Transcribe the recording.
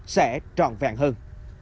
sẽ tròn vẹn hơn